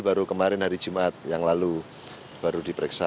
baru kemarin hari jumat yang lalu baru diperiksa